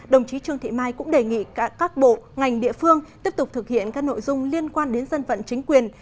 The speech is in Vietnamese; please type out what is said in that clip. đồng chí trương thị mai cũng đề nghị các bộ ngành địa phương tiếp tục thực hiện các nội dung liên quan đến dân vận chính quyền